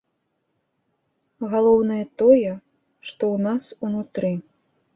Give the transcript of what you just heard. Галоўнае тое, што ў нас унутры.